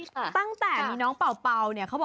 ตั้งแต่มีน้องเป่าเนี่ย